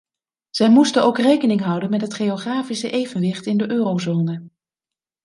Zij moesten ook rekening houden met het geografische evenwicht in de eurozone.